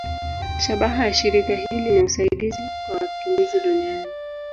Shabaha ya shirika hili ni usaidizi kwa wakimbizi duniani.